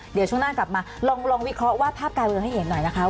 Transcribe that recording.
เดี๋ยวช่วงหน้ากลับมาลองวิเคราะห์ว่าภาพการเมืองให้เห็นหน่อยนะคะ